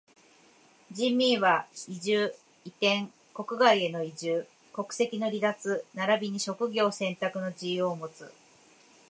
人民は居住、移転、国外への移住、国籍の離脱ならびに職業選択の自由をもつ。